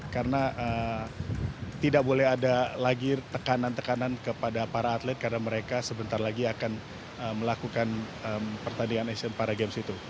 karena tidak boleh ada lagi tekanan tekanan kepada para atlet karena mereka sebentar lagi akan melakukan pertandingan asian para games itu